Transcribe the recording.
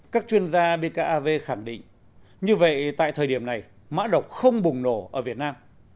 các chuyên gia bkav khẳng định như vậy tại thời điểm này mã độc không bùng nổ ở việt nam